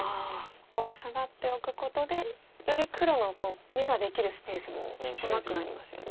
ここはサガっておくことでより黒の眼ができるスペースも狭くなりますよね。